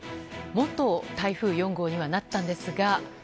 元台風４号にはなったんですが。